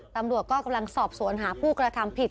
ตำรวจก็กำลังสอบสวนหาผู้กระทำผิด